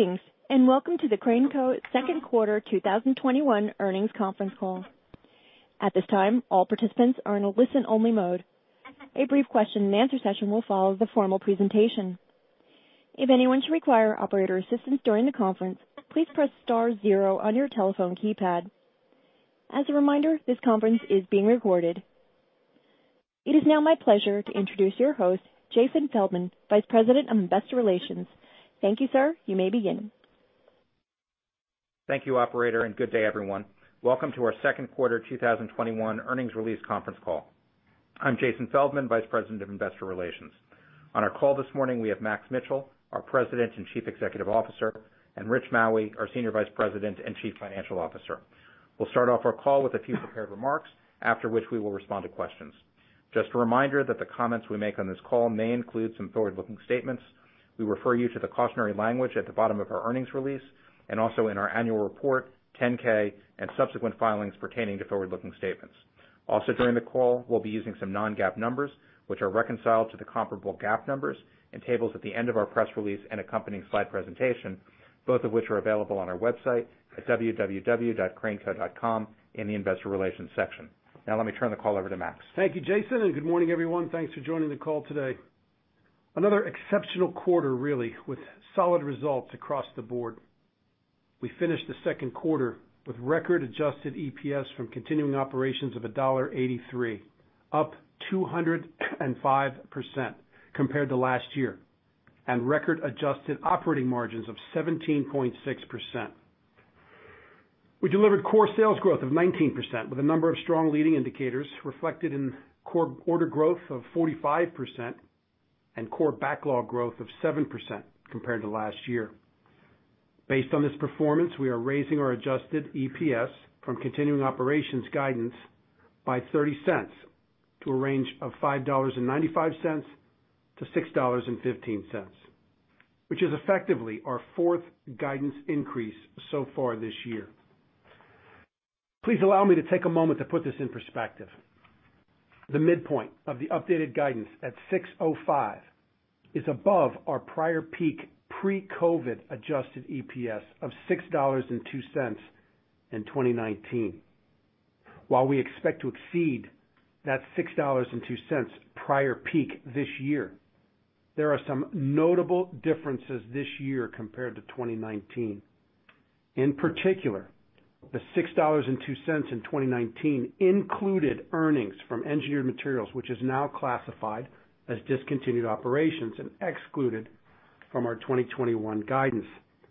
Greetings, and welcome to the Crane Co Second Quarter 2021 Earnings Conference Call. At this time, all participants are in a listen-only mode. A brief question and answer session will follow the formal presentation. If anyone should require operator assistance during the conference, please press star zero on your telephone keypad. As a reminder, this conference is being recorded. It is now my pleasure to introduce your host, Jason Feldman, Vice President of Investor Relations. Thank you, sir. You may begin. Thank you operator. Good day, everyone. Welcome to our second quarter 2021 earnings release conference call. I'm Jason Feldman, Vice President of Investor Relations. On our call this morning, we have Max Mitchell, our President and Chief Executive Officer, and Rich Maue, our Senior Vice President and Chief Financial Officer. We'll start off our call with a few prepared remarks, after which we will respond to questions. Just a reminder that the comments we make on this call may include some forward-looking statements. We refer you to the cautionary language at the bottom of our earnings release, and also in our annual report, 10-K, and subsequent filings pertaining to forward-looking statements. Also, during the call, we'll be using some non-GAAP numbers, which are reconciled to the comparable GAAP numbers in tables at the end of our press release and accompanying slide presentation, both of which are available on our website at www.craneco.com in the Investor Relations section. Let me turn the call over to Max. Thank you, Jason, and good morning, everyone. Thanks for joining the call today. Another exceptional quarter really, with solid results across the board. We finished the second quarter with record-adjusted EPS from continuing operations of $1.83, up 205% compared to last year, and record-adjusted operating margins of 17.6%. We delivered core sales growth of 19%, with a number of strong leading indicators reflected in core order growth of 45% and core backlog growth of 7% compared to last year. Based on this performance, we are raising our adjusted EPS from continuing operations guidance by $0.30 to a range of $5.95-$6.15, which is effectively our fourth guidance increase so far this year. Please allow me to take a moment to put this in perspective. The midpoint of the updated guidance at $6.05 is above our prior peak pre-COVID adjusted EPS of $6.02 in 2019. While we expect to exceed that $6.02 prior peak this year, there are some notable differences this year compared to 2019. In particular, the $6.02 in 2019 included earnings from Engineered Materials, which is now classified as discontinued operations and excluded from our 2021 guidance.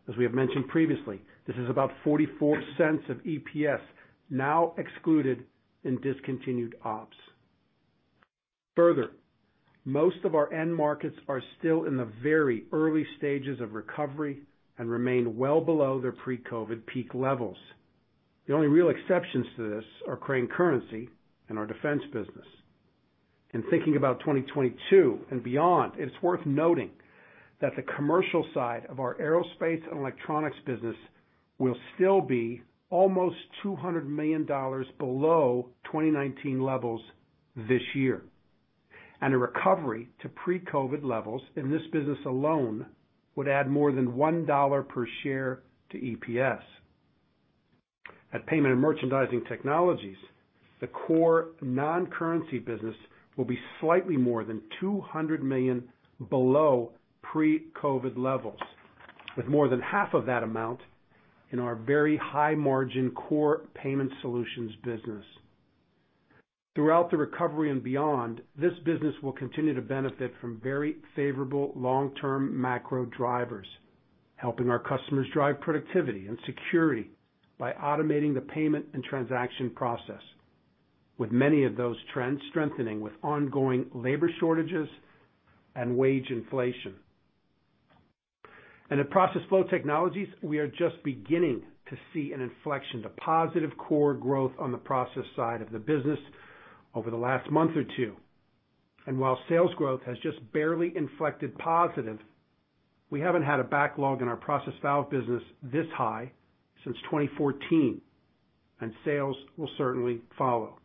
As we have mentioned previously, this is about $0.44 of EPS now excluded in discontinued ops. Further, most of our end markets are still in the very early stages of recovery and remain well below their pre-COVID peak levels. The only real exceptions to this are Crane Currency and our defense business. In thinking about 2022 and beyond, it's worth noting that the commercial side of our Aerospace & Electronics business will still be almost $200 million below 2019 levels this year. A recovery to pre-COVID levels in this business alone would add more than $1 per share to EPS. At Payment & Merchandising Technologies, the core non-currency business will be slightly more than $200 million below pre-COVID levels, with more than half of that amount in our very high-margin core payment solutions business. Throughout the recovery and beyond, this business will continue to benefit from very favorable long-term macro drivers, helping our customers drive productivity and security by automating the payment and transaction process, with many of those trends strengthening with ongoing labor shortages and wage inflation. At Process Flow Technologies, we are just beginning to see an inflection to positive core growth on the process side of the business over the last month or two. While sales growth has just barely inflected positive, we haven't had a backlog in our process valve business this high since 2014, and sales will certainly follow.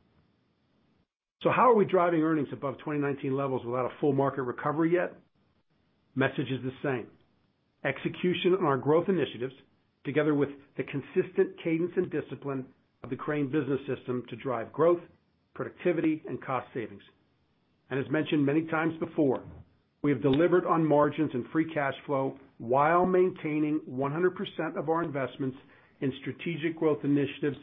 How are we driving earnings above 2019 levels without a full market recovery yet? Message is the same. Execution on our growth initiatives, together with the consistent cadence and discipline of the Crane Business System to drive growth, productivity, and cost savings. As mentioned many times before, we have delivered on margins and free cash flow while maintaining 100% of our investments in strategic growth initiatives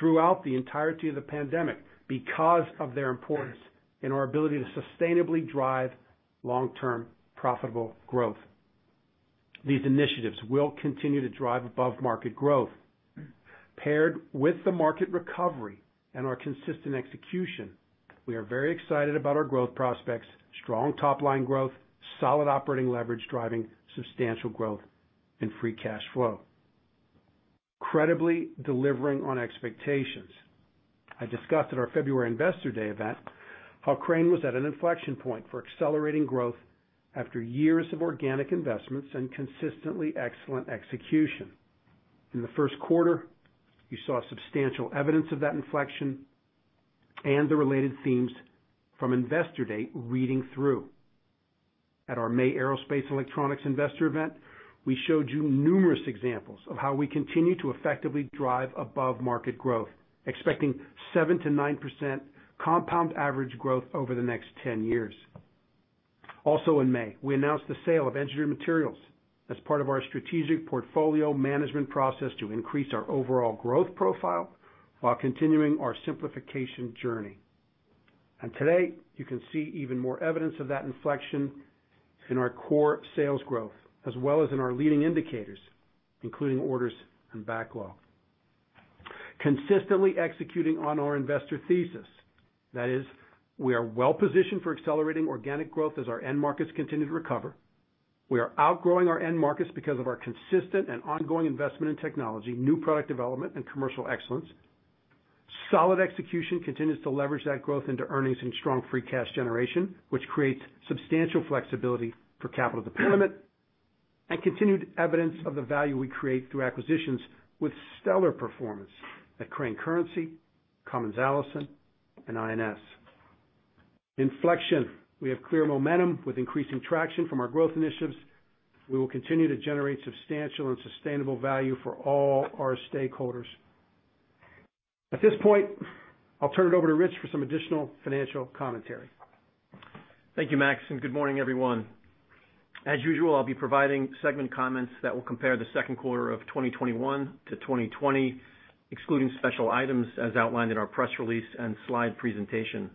throughout the entirety of the pandemic because of their importance in our ability to sustainably drive long-term profitable growth. These initiatives will continue to drive above-market growth. Paired with the market recovery and our consistent execution, we are very excited about our growth prospects, strong top-line growth, solid operating leverage driving substantial growth and free cash flow. Credibly delivering on expectations. I discussed at our February Investor Day event how Crane was at an inflection point for accelerating growth after years of organic investments and consistently excellent execution. In the first quarter, you saw substantial evidence of that inflection. The related themes from Investor Day reading through. At our May Aerospace & Electronics Investor event, we showed you numerous examples of how we continue to effectively drive above-market growth, expecting 7%-9% compound average growth over the next 10 years. Also in May, we announced the sale of Engineered Materials as part of our strategic portfolio management process to increase our overall growth profile while continuing our simplification journey. Today, you can see even more evidence of that inflection in our core sales growth, as well as in our leading indicators, including orders and backlog. Consistently executing on our investor thesis, that is, we are well-positioned for accelerating organic growth as our end markets continue to recover. We are outgrowing our end markets because of our consistent and ongoing investment in technology, new product development, and commercial excellence. Solid execution continues to leverage that growth into earnings and strong free cash generation, which creates substantial flexibility for capital deployment, and continued evidence of the value we create through acquisitions with stellar performance at Crane Currency, Cummins Allison, and I&S. Inflection. We have clear momentum with increasing traction from our growth initiatives. We will continue to generate substantial and sustainable value for all our stakeholders. At this point, I'll turn it over to Rich for some additional financial commentary. Thank you, Max, and good morning, everyone. As usual, I'll be providing segment comments that will compare the second quarter of 2021 to 2020, excluding special items as outlined in our press release and slide presentation.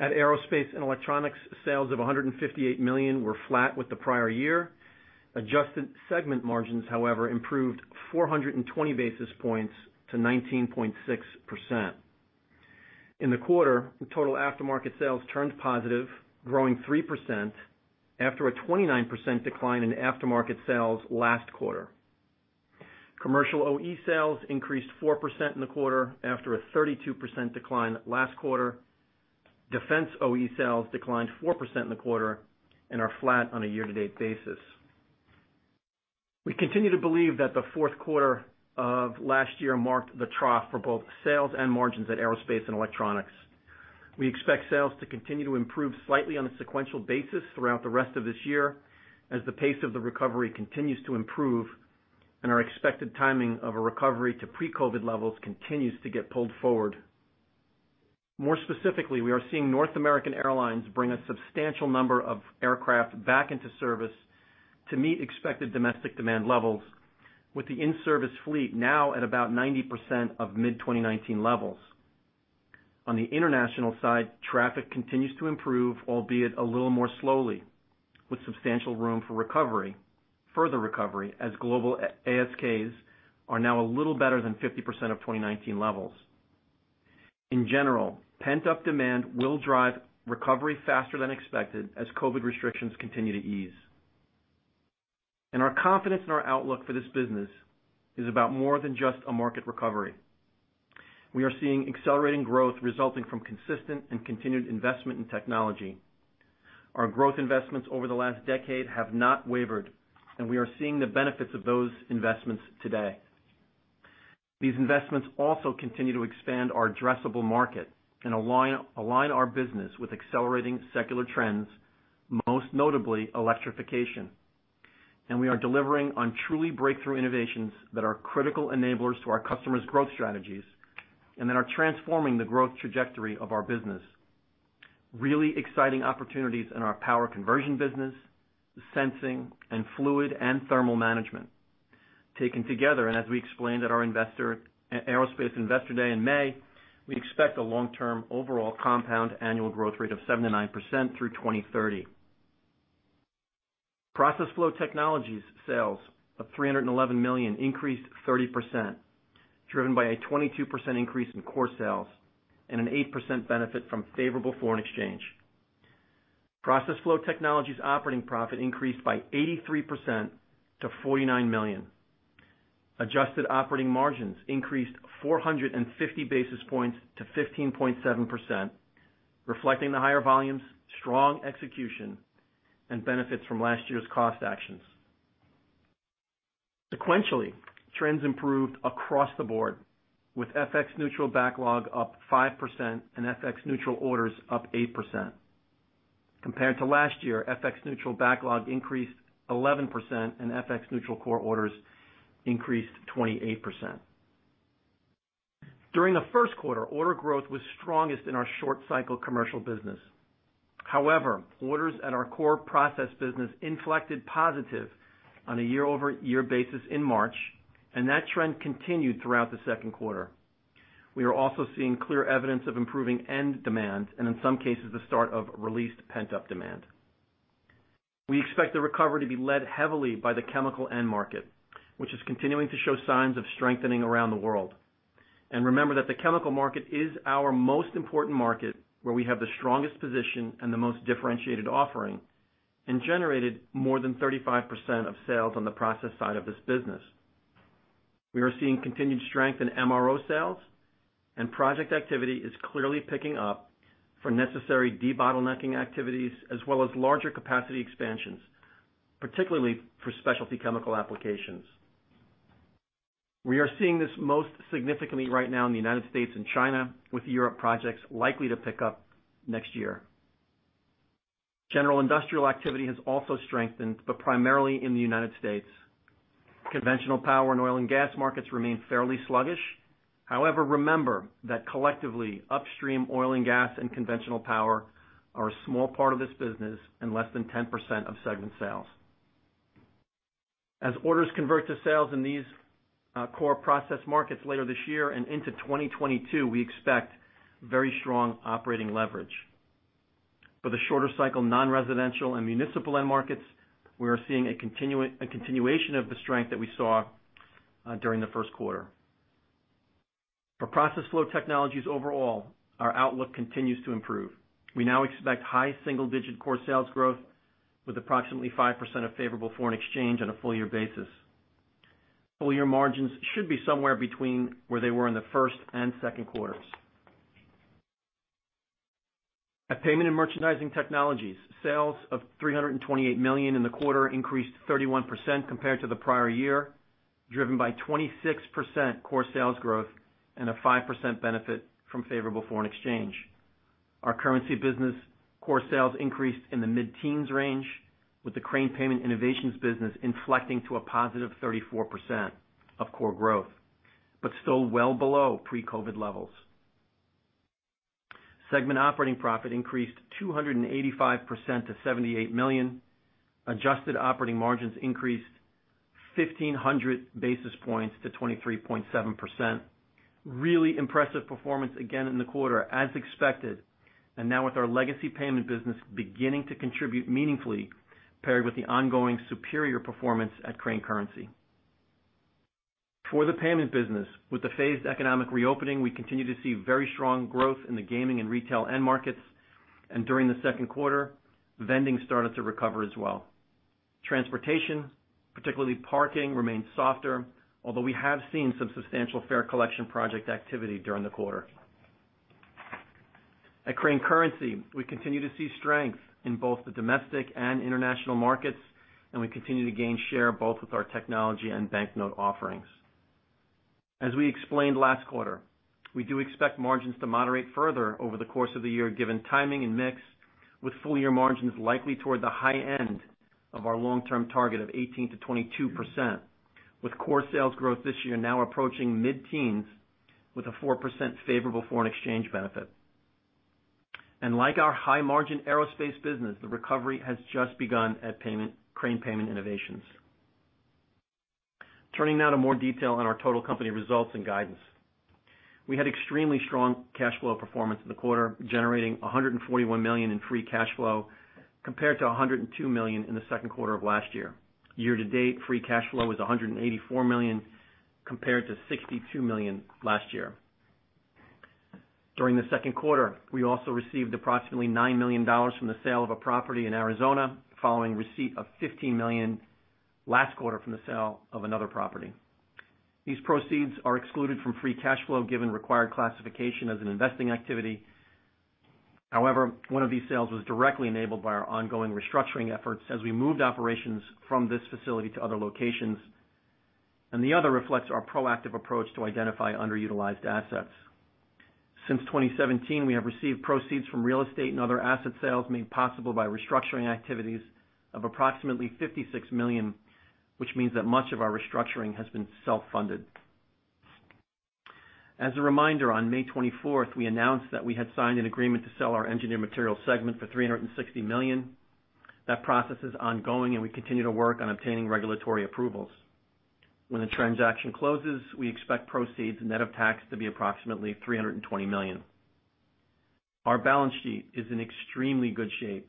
At Aerospace & Electronics, sales of $158 million were flat with the prior year. Adjusted segment margins, however, improved 420 basis points to 19.6%. In the quarter, the total aftermarket sales turned positive, growing 3% after a 29% decline in aftermarket sales last quarter. Commercial OE sales increased 4% in the quarter after a 32% decline last quarter. Defense OE sales declined 4% in the quarter and are flat on a year-to-date basis. We continue to believe that the fourth quarter of last year marked the trough for both sales and margins at Aerospace & Electronics. We expect sales to continue to improve slightly on a sequential basis throughout the rest of this year as the pace of the recovery continues to improve, and our expected timing of a recovery to pre-COVID levels continues to get pulled forward. More specifically, we are seeing North American Airlines bring a substantial number of aircraft back into service to meet expected domestic demand levels with the in-service fleet now at about 90% of mid-2019 levels. On the international side, traffic continues to improve, albeit a little more slowly, with substantial room for further recovery, as global ASKs are now a little better than 50% of 2019 levels. In general, pent-up demand will drive recovery faster than expected as COVID restrictions continue to ease. Our confidence in our outlook for this business is about more than just a market recovery. We are seeing accelerating growth resulting from consistent and continued investment in technology. Our growth investments over the last decade have not wavered, and we are seeing the benefits of those investments today. These investments also continue to expand our addressable market and align our business with accelerating secular trends, most notably electrification. We are delivering on truly breakthrough innovations that are critical enablers to our customers' growth strategies and that are transforming the growth trajectory of our business. Really exciting opportunities in our power conversion business, sensing, and fluid and thermal management. Taken together, and as we explained at our Aerospace Investor Day in May, we expect a long-term overall compound annual growth rate of 7%-9% through 2030. Process Flow Technologies sales of $311 million increased 30%, driven by a 22% increase in core sales and an 8% benefit from favorable foreign exchange. Process Flow Technologies operating profit increased by 83% to $49 million. Adjusted operating margins increased 450 basis points to 15.7%, reflecting the higher volumes, strong execution, and benefits from last year's cost actions. Sequentially, trends improved across the board, with FX neutral backlog up 5% and FX neutral orders up 8%. Compared to last year, FX neutral backlog increased 11% and FX neutral core orders increased 28%. During the first quarter, order growth was strongest in our short cycle commercial business. However, orders at our core process business inflected positive on a year-over-year basis in March, and that trend continued throughout the second quarter. We are also seeing clear evidence of improving end demand, and in some cases, the start of released pent-up demand. We expect the recovery to be led heavily by the chemical end market, which is continuing to show signs of strengthening around the world. Remember that the chemical market is our most important market, where we have the strongest position and the most differentiated offering, and generated more than 35% of sales on the process side of this business. We are seeing continued strength in MRO sales, and project activity is clearly picking up for necessary debottlenecking activities as well as larger capacity expansions, particularly for specialty chemical applications. We are seeing this most significantly right now in the U.S. and China, with Europe projects likely to pick up next year. General industrial activity has also strengthened, but primarily in the United States. Conventional power and oil and gas markets remain fairly sluggish. However, remember that collectively, upstream oil and gas and conventional power are a small part of this business and less than 10% of segment sales. As orders convert to sales in these core process markets later this year and into 2022, we expect very strong operating leverage. For the shorter cycle, non-residential and municipal end markets, we are seeing a continuation of the strength that we saw during the first quarter. For Process Flow Technologies overall, our outlook continues to improve. We now expect high single-digit core sales growth with approximately 5% of favorable foreign exchange on a full-year basis. Full-year margins should be somewhere between where they were in the first and second quarters. At Payment & Merchandising Technologies, sales of $328 million in the quarter increased 31% compared to the prior year, driven by 26% core sales growth and a 5% benefit from favorable foreign exchange. Our currency business core sales increased in the mid-teens range, with the Crane Payment Innovations business inflecting to a +34% of core growth. Still well below pre-COVID levels, segment operating profit increased 285% to $78 million. Adjusted operating margins increased 1,500 basis points to 23.7%. Really impressive performance again in the quarter, as expected. Now with our legacy payment business beginning to contribute meaningfully, paired with the ongoing superior performance at Crane Currency. For the payment business, with the phased economic reopening, we continue to see very strong growth in the gaming and retail end markets. During the second quarter, vending started to recover as well. Transportation, particularly parking, remains softer, although we have seen some substantial fare collection project activity during the quarter. At Crane Currency, we continue to see strength in both the domestic and international markets, we continue to gain share both with our technology and banknote offerings. As we explained last quarter, we do expect margins to moderate further over the course of the year, given timing and mix, with full-year margins likely toward the high end of our long-term target of 18%-22%, with core sales growth this year now approaching mid-teens with a 4% favorable foreign exchange benefit. Like our high-margin Aerospace & Electronics business, the recovery has just begun at Crane Payment Innovations. Turning now to more detail on our total company results and guidance. We had extremely strong cash flow performance in the quarter, generating $141 million in free cash flow compared to $102 million in the second quarter of last year. Year-to-date free cash flow was $184 million, compared to $62 million last year. During the second quarter, we also received approximately $9 million from the sale of a property in Arizona, following receipt of $15 million last quarter from the sale of another property. These proceeds are excluded from free cash flow given required classification as an investing activity. One of these sales was directly enabled by our ongoing restructuring efforts as we moved operations from this facility to other locations, and the other reflects our proactive approach to identify underutilized assets. Since 2017, we have received proceeds from real estate and other asset sales made possible by restructuring activities of approximately $56 million, which means that much of our restructuring has been self-funded. On May 24th, we announced that we had signed an agreement to sell our Engineered Materials segment for $360 million. That process is ongoing, and we continue to work on obtaining regulatory approvals. When the transaction closes, we expect proceeds net of tax to be approximately $320 million. Our balance sheet is in extremely good shape.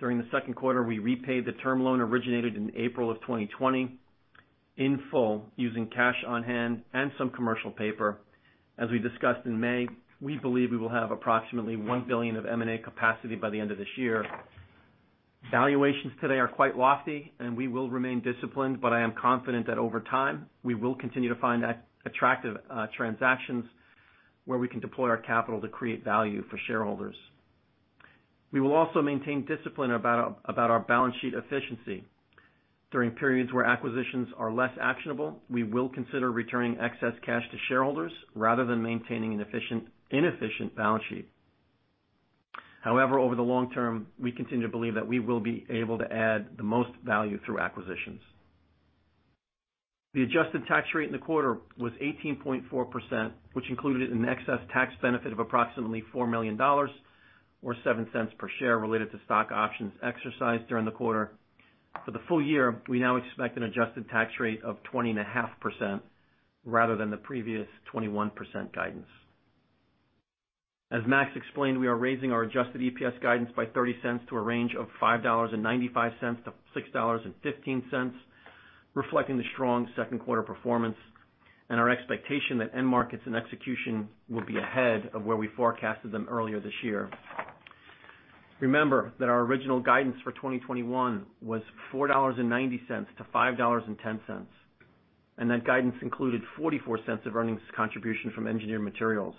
During the second quarter, we repaid the term loan originated in April of 2020 in full using cash on hand and some commercial paper. As we discussed in May, we believe we will have approximately $1 billion of M&A capacity by the end of this year. Valuations today are quite lofty, and we will remain disciplined, but I am confident that over time, we will continue to find attractive transactions where we can deploy our capital to create value for shareholders. We will also maintain discipline about our balance sheet efficiency. During periods where acquisitions are less actionable, we will consider returning excess cash to shareholders rather than maintaining an inefficient balance sheet. However, over the long term, we continue to believe that we will be able to add the most value through acquisitions. The adjusted tax rate in the quarter was 18.4%, which included an excess tax benefit of approximately $4 million, or $0.07 per share related to stock options exercised during the quarter. For the full year, we now expect an adjusted tax rate of 20.5% rather than the previous 21% guidance. As Max explained, we are raising our adjusted EPS guidance by $0.30 to a range of $5.95-$6.15, reflecting the strong second quarter performance and our expectation that end markets and execution will be ahead of where we forecasted them earlier this year. Remember that our original guidance for 2021 was $4.90 to $5.10, and that guidance included $0.44 of earnings contribution from Engineered Materials.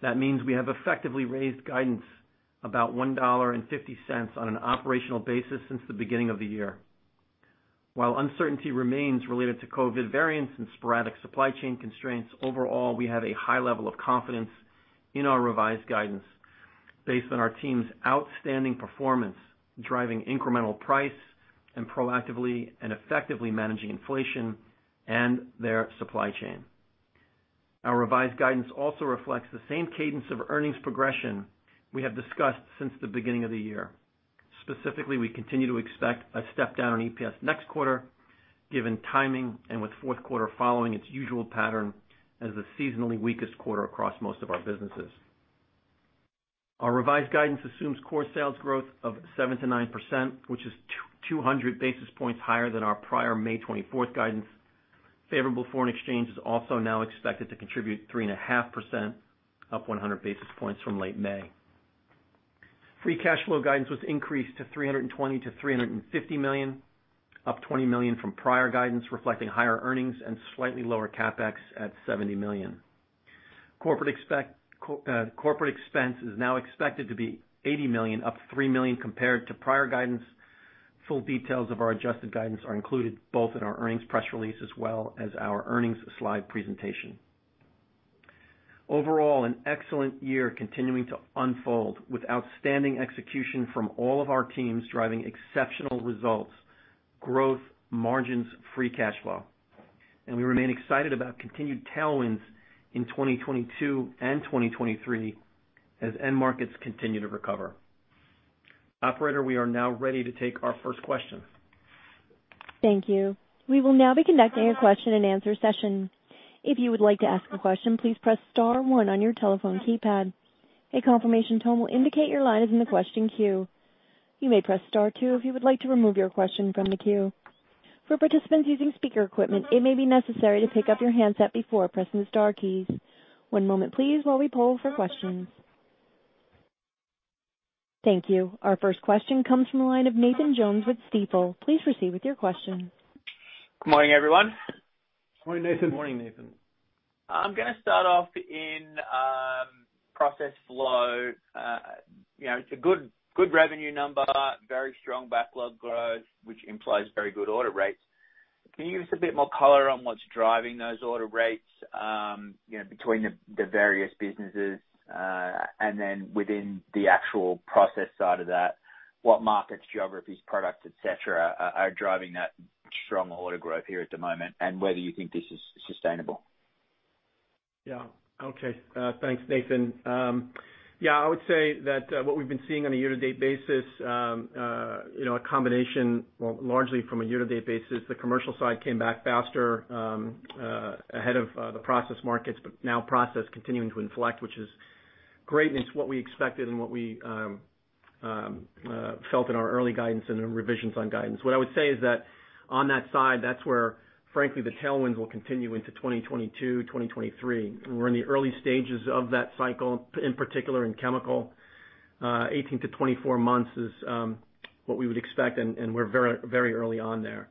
That means we have effectively raised guidance about $1.50 on an operational basis since the beginning of the year. While uncertainty remains related to COVID variants and sporadic supply chain constraints, overall, we have a high level of confidence in our revised guidance based on our team's outstanding performance, driving incremental price, and proactively and effectively managing inflation and their supply chain. Our revised guidance also reflects the same cadence of earnings progression we have discussed since the beginning of the year. Specifically, we continue to expect a step down in EPS next quarter, given timing, and with fourth quarter following its usual pattern as the seasonally weakest quarter across most of our businesses. Our revised guidance assumes core sales growth of 7%-9%, which is 200 basis points higher than our prior May 24 guidance. Favorable foreign exchange is also now expected to contribute 3.5%, up 100 basis points from late May. Free cash flow guidance was increased to $320 million-$350 million, up $20 million from prior guidance, reflecting higher earnings and slightly lower CapEx at $70 million. Corporate expense is now expected to be $80 million, up $3 million compared to prior guidance. Full details of our adjusted guidance are included both in our earnings press release as well as our earnings slide presentation. Overall, an excellent year continuing to unfold with outstanding execution from all of our teams, driving exceptional results, growth, margins, free cash flow. We remain excited about continued tailwinds in 2022 and 2023 as end markets continue to recover. Operator, we are now ready to take our first question. Thank you. We will now be conducting a question and answer session. If you would like to ask a question, please press star one on your telephone keypad. A confirmation tone will indicate your line is in the question queue. You may press star two if you would like to remove your question from the queue. For participants using speaker equipment, it may be necessary to pick up your handset before pressing the star keys. One moment please while we poll for questions. Thank you. Our first question comes from the line of Nathan Jones with Stifel. Please proceed with your question. Good morning, everyone. Morning, Nathan. I'm going to start off in Process Flow. It's a good revenue number, very strong backlog growth, which implies very good order rates. Can you give us a bit more color on what's driving those order rates between the various businesses? Within the actual Process side of that, what markets, geographies, products, et cetera, are driving that strong order growth here at the moment, and whether you think this is sustainable? Yeah. Okay. Thanks, Nathan. I would say that what we've been seeing on a year-to-date basis, the commercial side came back faster ahead of the process markets, now process continuing to inflect, which is great, and it's what we expected and what we felt in our early guidance and revisions on guidance. What I would say is that on that side, that's where, frankly, the tailwinds will continue into 2022, 2023. We're in the early stages of that cycle, in particular in chemical. 18-24 months is what we would expect, we're very early on there.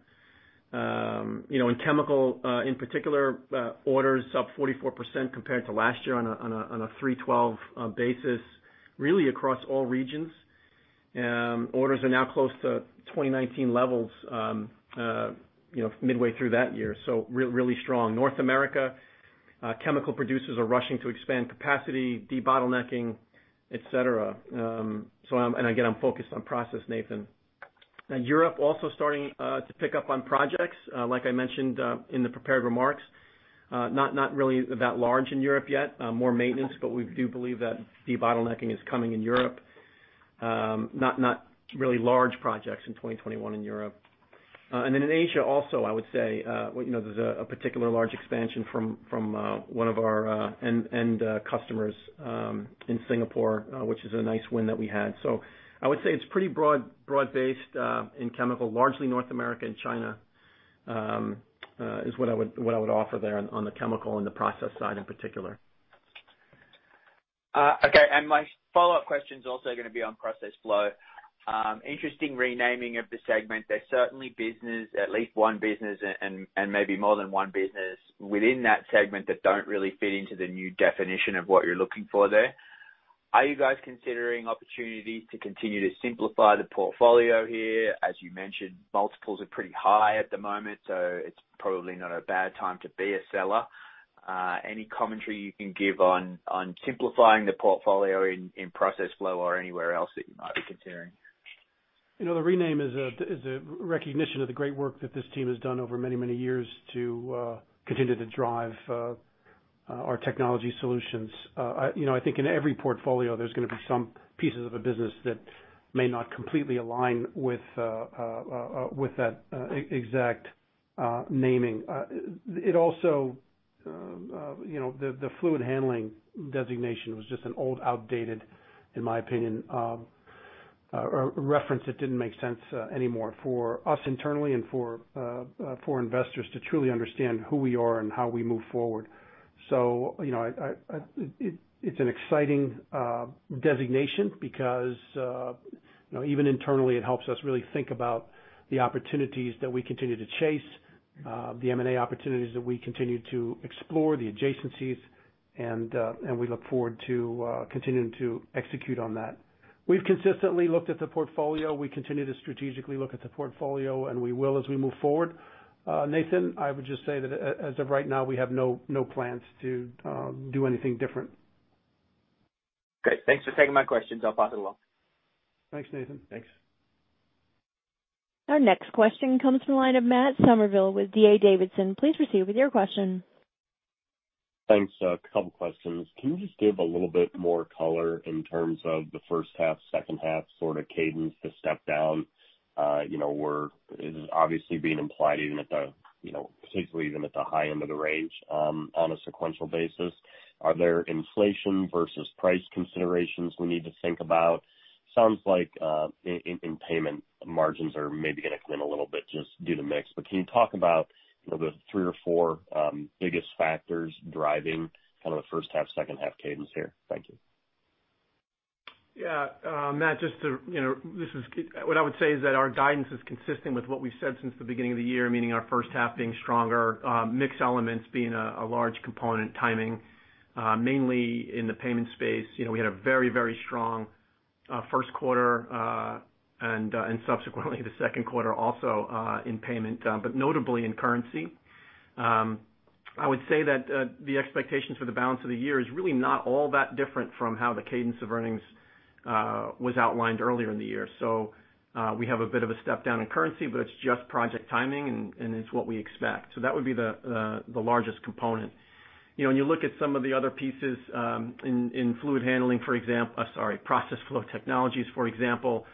In chemical, in particular, orders up 44% compared to last year on a T12 basis, really across all regions. Orders are now close to 2019 levels midway through that year. Really strong. North America chemical producers are rushing to expand capacity, debottlenecking, et cetera. Again, I'm focused on process, Nathan. Europe also starting to pick up on projects. Like I mentioned in the prepared remarks, not really that large in Europe yet. More maintenance, but we do believe that debottlenecking is coming in Europe. Not really large projects in 2021 in Europe. In Asia also, I would say, there's a particular large expansion from one of our end customers in Singapore, which is a nice win that we had. I would say it's pretty broad-based in chemical, largely North America and China, is what I would offer there on the chemical and the process side in particular. Okay. My follow-up question's also going to be on Process Flow Technologies. Interesting renaming of the segment. There's certainly business, at least one business, and maybe more than one business within that segment that don't really fit into the new definition of what you're looking for there. Are you guys considering opportunities to continue to simplify the portfolio here? As you mentioned, multiples are pretty high at the moment, so it's probably not a bad time to be a seller. Any commentary you can give on simplifying the portfolio in Process Flow Technologies or anywhere else that you might be considering? The rename is a recognition of the great work that this team has done over many, many years to continue to drive our technology solutions. I think in every portfolio, there's going to be some pieces of a business that may not completely align with that exact naming. The Fluid Handling designation was just an old, outdated, in my opinion, reference that didn't make sense anymore for us internally and for investors to truly understand who we are and how we move forward. It's an exciting designation because even internally, it helps us really think about the opportunities that we continue to chase The M&A opportunities that we continue to explore, the adjacencies, and we look forward to continuing to execute on that. We've consistently looked at the portfolio. We continue to strategically look at the portfolio, and we will as we move forward. Nathan, I would just say that as of right now, we have no plans to do anything different. Great. Thanks for taking my questions. I'll pass it along. Thanks, Nathan. Thanks. Our next question comes from the line of Matt Summerville with D.A. Davidson. Please proceed with your question. Thanks. A couple questions. Can you just give a little bit more color in terms of the first half, second half sort of cadence to step down? We're obviously being implied particularly even at the high end of the range on a sequential basis. Are there inflation versus price considerations we need to think about? Sounds like in Payment margins are maybe going to come in a little bit just due to mix. Can you talk about the three or four biggest factors driving kind of the first half, second half cadence here? Thank you. Matt, what I would say is that our guidance is consistent with what we've said since the beginning of the year, meaning our first half being stronger, mix elements being a large component, timing mainly in the payment space. We had a very strong first quarter, subsequently the second quarter also in payment, but notably in currency. I would say that the expectations for the balance of the year is really not all that different from how the cadence of earnings was outlined earlier in the year. We have a bit of a step down in currency, but it's just project timing, and it's what we expect. That would be the largest component. When you look at some of the other pieces in Process Flow Technologies, for example.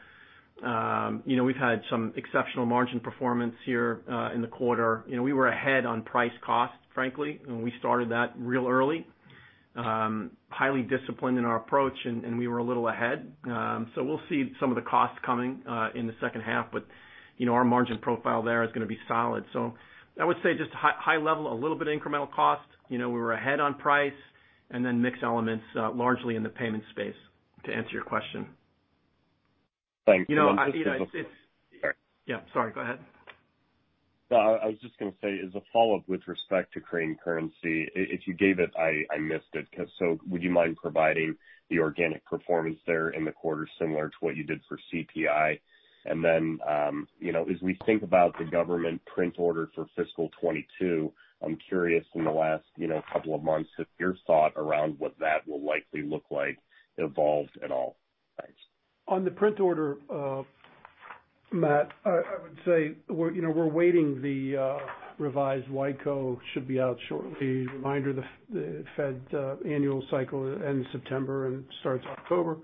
We've had some exceptional margin performance here in the quarter. We were ahead on price cost, frankly, and we started that real early. Highly disciplined in our approach, and we were a little ahead. We'll see some of the costs coming in the second half, but our margin profile there is going to be solid. I would say just high level, a little bit incremental cost. We were ahead on price and then mix elements largely in the payment space, to answer your question. Thanks. Yeah. Sorry. Go ahead. No, I was just going to say, as a follow-up with respect to Crane Currency, if you gave it, I missed it. Would you mind providing the organic performance there in the quarter, similar to what you did for CPI? As we think about the government print order for fiscal year 2022, I'm curious in the last couple of months if your thought around what that will likely look like evolved at all? Thanks. On the print order, Matt, I would say we're waiting. The revised YCO should be out shortly. Reminder, the Fed annual cycle ends September and starts October.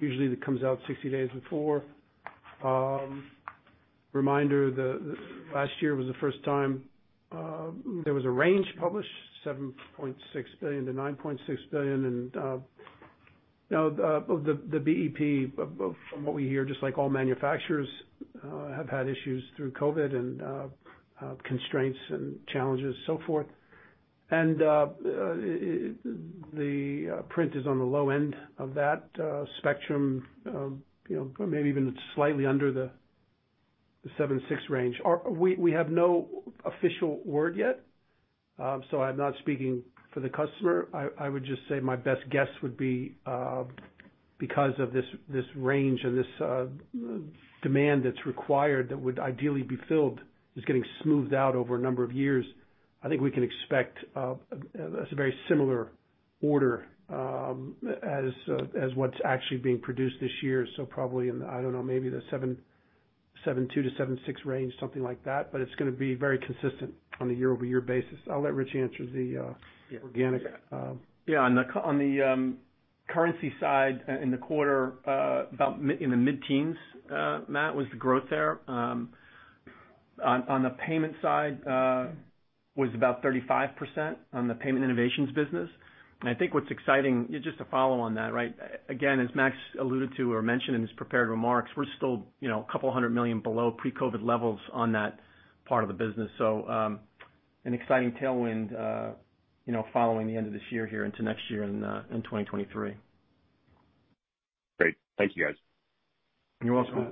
Usually it comes out 60 days before. Reminder that last year was the first time there was a range published, $7.6 billion-$9.6 billion. Now the BEP, from what we hear, just like all manufacturers, have had issues through COVID and constraints and challenges, so forth. The print is on the low end of that spectrum, maybe even slightly under the $7.6 million range. We have no official word yet, so I'm not speaking for the customer. I would just say my best guess would be because of this range and this demand that's required that would ideally be filled is getting smoothed out over a number of years. I think we can expect a very similar order as what's actually being produced this year. Probably in, I don't know, maybe the $7.2 million-$7.6 million range, something like that. It's going to be very consistent on a year-over-year basis. I'll let Rich answer the organic. Yeah. On the currency side in the quarter, about in the mid-teens, Matt, was the growth there. On the payment side was about 35% on the Crane Payment Innovations business. I think what's exciting, just to follow on that. Again, as Max alluded to or mentioned in his prepared remarks, we're still $200 million below pre-COVID levels on that part of the business. An exciting tailwind following the end of this year here into next year in 2023. Great. Thank you, guys. You're welcome.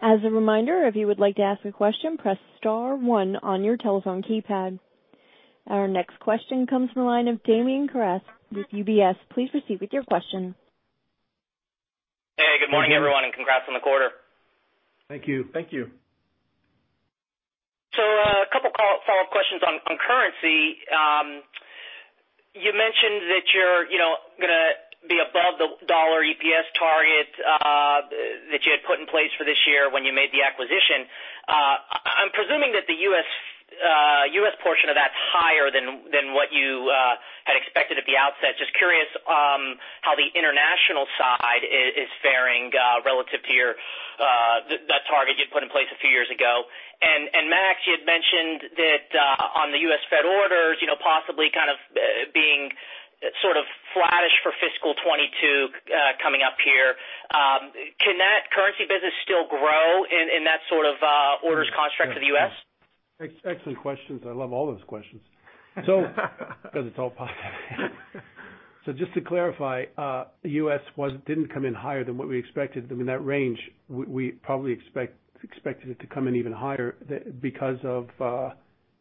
As a reminder, if you would like to ask a question, press star one on your telephone keypad. Our next question comes from the line of Damian Karas with UBS. Please proceed with your question. Hey, good morning, everyone, and congrats on the quarter. Thank you. Thank you. A couple follow-up questions on Crane Currency. You mentioned that you're going to be above the US dollar EPS target that you had put in place for this year when you made the acquisition. I'm presuming that the U.S. portion of that's higher than what you had expected at the outset. Just curious how the international side is faring relative to your-- That target you'd put in place a few years ago. Max Mitchell, you had mentioned that on the Federal Reserve orders possibly kind of being sort of flattish for fiscal 2022 coming up here. Can that Crane Currency business still grow in that sort of orders construct for the U.S.? Excellent questions. I love all those questions. It's all positive. Just to clarify, U.S. didn't come in higher than what we expected. I mean, that range, we probably expected it to come in even higher because of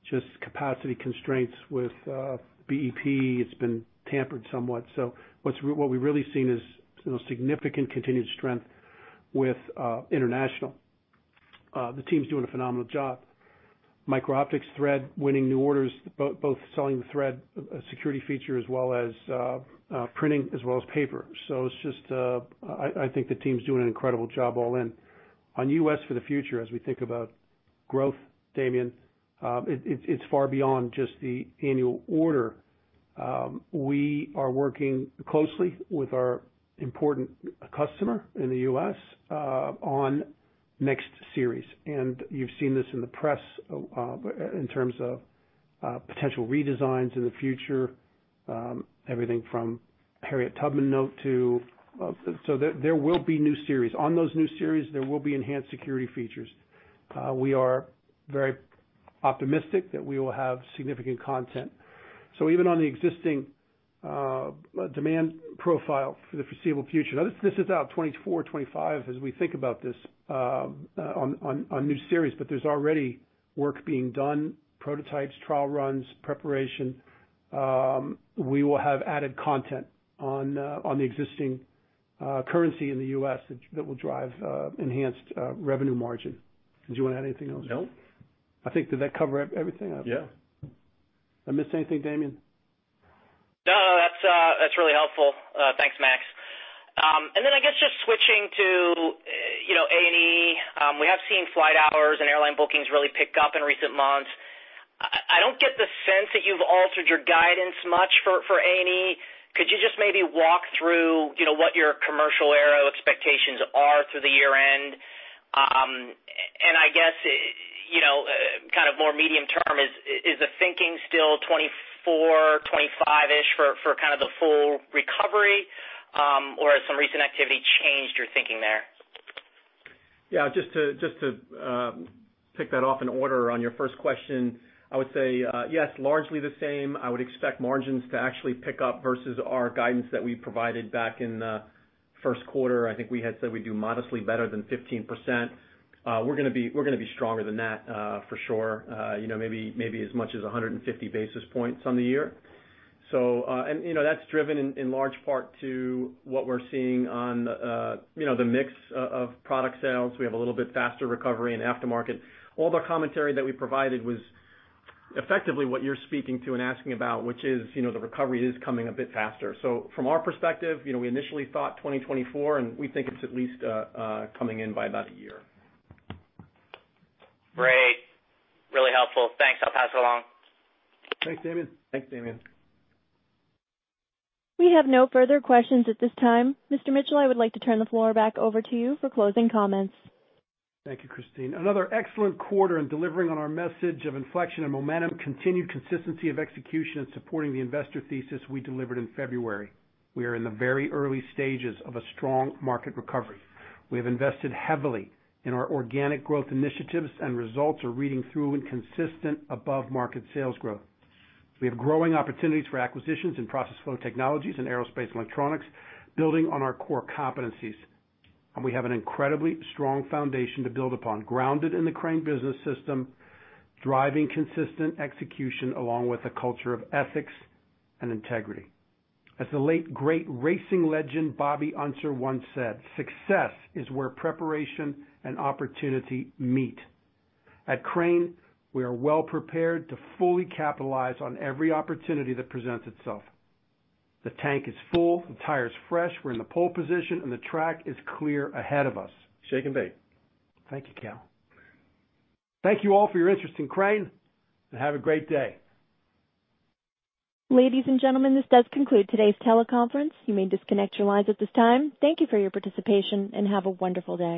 just capacity constraints with BEP. It's been tampered somewhat. What we've really seen is significant continued strength with international. The team's doing a phenomenal job. Micro-Optics thread, winning new orders, both selling the thread security feature as well as printing, as well as paper. I think the team's doing an incredible job all in. On U.S. for the future, as we think about growth, Damian, it's far beyond just the 1 annual order. We are working closely with our important customer in the U.S., on next series, and you've seen this in the press, in terms of potential redesigns in the future. Everything from Harriet Tubman note to there will be new series. On those new series, there will be enhanced security features. We are very optimistic that we will have significant content. Even on the existing demand profile for the foreseeable future, this is out 2024, 2025 as we think about this on new series, but there's already work being done, prototypes, trial runs, preparation. We will have added content on the existing currency in the U.S. that will drive enhanced revenue margin. Did you want to add anything else? No. I think, did that cover everything? Yeah. I missed anything, Damian? No. That's really helpful. Thanks, Max. I guess, just switching to Aerospace & Electronics. We have seen flight hours and airline bookings really pick up in recent months. I don't get the sense that you've altered your guidance much for Aerospace & Electronics. Could you just maybe walk through what your commercial aero expectations are through the year end? I guess, more medium term, is the thinking still 2024, 2025-ish for the full recovery? Has some recent activity changed your thinking there? Yeah. Just to pick that off in order on your first question, I would say yes, largely the same. I would expect margins to actually pick up versus our guidance that we provided back in the first quarter. I think we had said we'd do modestly better than 15%. We're going to be stronger than that, for sure. Maybe as much as 150 basis points on the year. That's driven in large part to what we're seeing on the mix of product sales. We have a little bit faster recovery in aftermarket. All the commentary that we provided was effectively what you're speaking to and asking about, which is the recovery is coming a bit faster. From our perspective, we initially thought 2024, and we think it's at least coming in by about a year. Great. Really helpful. Thanks. I'll pass it along. Thanks, Damian. Thanks, Damian. We have no further questions at this time. Mr. Mitchell, I would like to turn the floor back over to you for closing comments. Thank you, Christine. Another excellent quarter in delivering on our message of inflection and momentum, continued consistency of execution and supporting the investor thesis we delivered in February. We are in the very early stages of a strong market recovery. We have invested heavily in our organic growth initiatives, results are reading through in consistent above-market sales growth. We have growing opportunities for acquisitions in Process Flow Technologies and Aerospace & Electronics, building on our core competencies. We have an incredibly strong foundation to build upon, grounded in the Crane Business System, driving consistent execution along with a culture of ethics and integrity. As the late great racing legend Bobby Unser once said, "Success is where preparation and opportunity meet." At Crane, we are well-prepared to fully capitalize on every opportunity that presents itself. The tank is full, the tire's fresh, we're in the pole position, and the track is clear ahead of us. Shake and bake. Thank you, Cal. Thank you all for your interest in Crane, and have a great day. Ladies and gentlemen, this does conclude today's teleconference. You may disconnect your lines at this time. Thank you for your participation, and have a wonderful day.